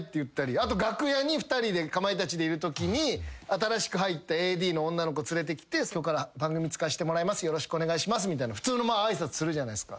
あと楽屋に２人でかまいたちでいるときに新しく入ったＡＤの女の子連れてきて「今日から番組つかせてもらいますよろしくお願いします」みたいな普通の挨拶するじゃないすか。